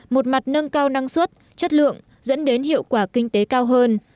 một mặt nâng cao năng suất chất lượng dẫn đến hiệu quả kinh tế cao hơn